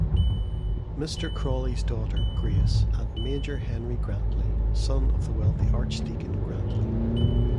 Mr Crawley's daughter, Grace, and Major Henry Grantly, son of the wealthy Archdeacon Grantly.